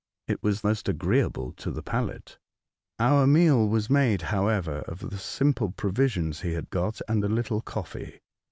It was most agreeable to the palate, Our meal was made, however, of the simple provisions he had got and a little coffee.